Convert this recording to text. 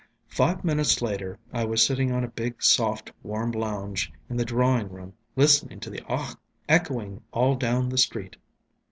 Five minutes later I was sitting on a big, soft, warm lounge in the drawing room listening to the "Ach!" echoing all down the street.